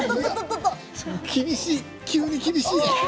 急に厳しい。